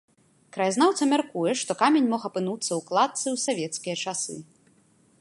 Краязнаўца мяркуе, што камень мог апынуцца ў кладцы ў савецкія часы.